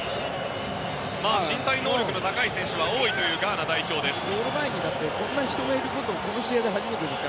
身体能力の高い選手が多いガーナ代表です。